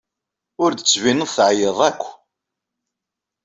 Ur d-tettbineḍ teɛyiḍ akk.